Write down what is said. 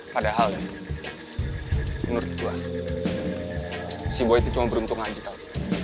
padahal nih menurut gue si boy itu cuma beruntung aja tau